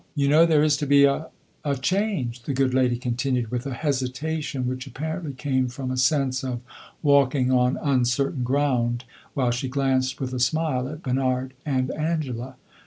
You know there is to be a a change," the good lady continued, with a hesitation which apparently came from a sense of walking on uncertain ground, while she glanced with a smile at Bernard and Angela.